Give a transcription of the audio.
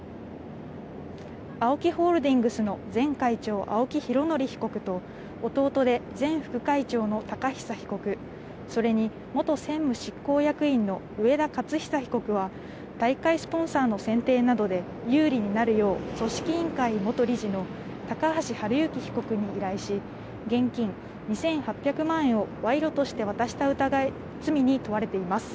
ＡＯＫＩホールディングスの前会長、青木拡憲被告と、弟で前副会長の寶久被告、それに元専務執行役員の上田雄久被告は、大会スポンサーの選定などで有利になるよう、組織委員会元理事の高橋治之被告に依頼し、現金２８００万円を賄賂として渡した罪に問われています。